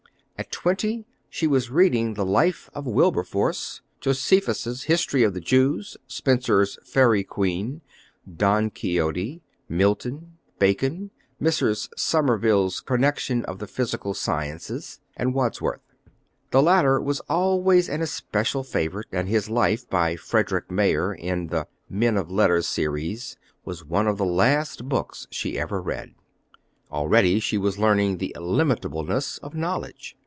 At twenty she was reading the Life of Wilberforce, Josephus' History of the Jews, Spenser's Faery Queen, Don Quixote, Milton, Bacon, Mrs. Somerville's Connection of the Physical Sciences, and Wordsworth. The latter was always an especial favorite, and his life, by Frederick Myers in the Men of Letters series, was one of the last books she ever read. Already she was learning the illimitableness of knowledge.